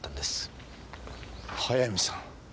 速水さん。